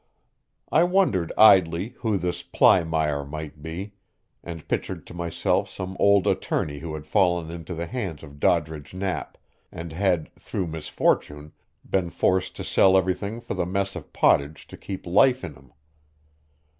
I wondered idly who this Plymire might be, and pictured to myself some old attorney who had fallen into the hands of Doddridge Knapp, and had, through misfortune, been forced to sell everything for the mess of pottage to keep life in him.